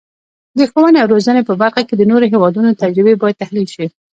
د ښوونې او روزنې په برخه کې د نورو هیوادونو تجربې باید تحلیل شي.